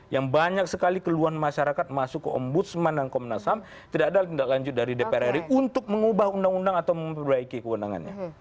yang banyak sekali keluhan masyarakat masuk ke ombudsman dan komnas ham tidak ada tindak lanjut dari dpr ri untuk mengubah undang undang atau memperbaiki kewenangannya